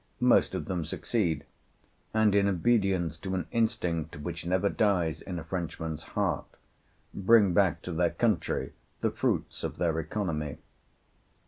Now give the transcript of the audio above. Most of them succeed; and in obedience to an instinct which never dies in a Frenchman's heart, bring back to their country the fruits of their economy.